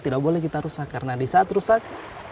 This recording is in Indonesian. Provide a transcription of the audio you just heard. tidak boleh kita rusak karena disaat rusak